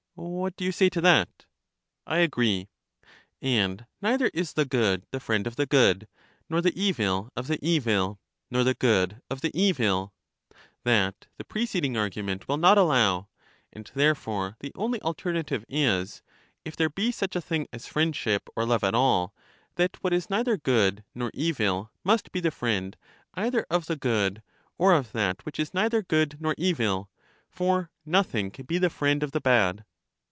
What do you say to that? I agree. And neither is the good the friend of the good, nor the evil of the evil, nor the good of the evil ;— that the preceding argument will not allow ; and therefore the only alternative is — if there be such a thing as friend ship or love at all — that what is neither good nor evil must be the friend, either of the good, or of that which is neither good nor evil, for nothing can be the friend of the bad.